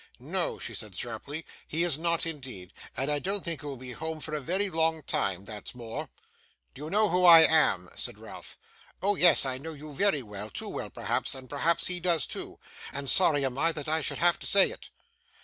'No,' she said sharply, 'he is not indeed, and I don't think he will be at home for a very long time; that's more.' 'Do you know who I am?' asked Ralph. 'Oh yes, I know you very well; too well, perhaps, and perhaps he does too, and sorry am I that I should have to say it.